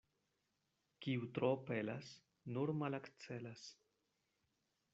Kiu tro pelas, nur malakcelas.